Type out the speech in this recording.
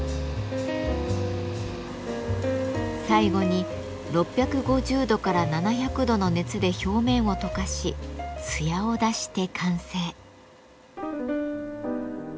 最後に６５０度から７００度の熱で表面を溶かし艶を出して完成。